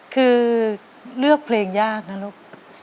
คือเลือกเพลงยากนะลูก